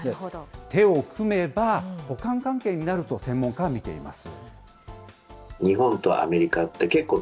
手を組めば、補完関係になると専門家は見ています。